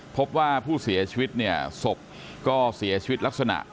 พบว่าผู้เสียชีวิตเนี่ยศพก็เสียชีวิตลักษณะ